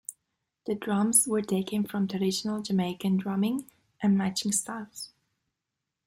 The drums were taken from traditional Jamaican drumming and marching styles.